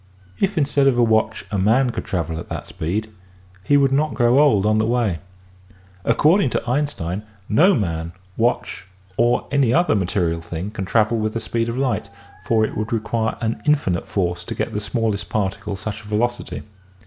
If instead of a watch a man could travel at that speed he would not grow old on the way. According to Einstein no man, watch or any other material thing can travel with the speed of light, for it would require an infinite force to give the smallest particle such a velocity.